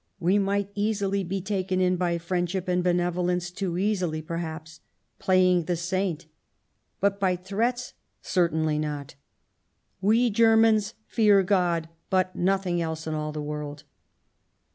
We might easily be taken in by friendship and benevolence, too easily perhaps — playing the saint !— but by threats certainly not. We Germans fear God, but nothing else in all the world."